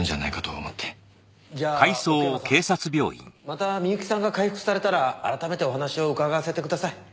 また深雪さんが回復されたら改めてお話を伺わせてください。